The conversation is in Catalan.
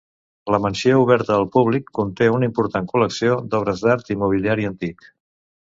La mansió, oberta al públic, conté una important col·lecció d'obres d'art i mobiliari antic.